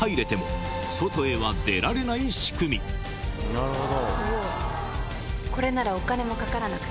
なるほど！